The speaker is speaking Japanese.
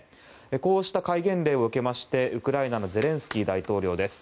こうした戒厳令を受けましてウクライナのゼレンスキー大統領です。